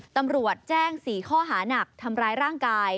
ตำรวจแจ้ง๔ข้อหานักทำร้ายร่างกาย